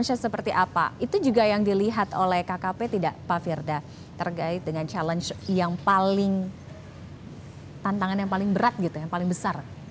jadi pertanyaannya adalah tantangan yang paling berat gitu ya yang paling besar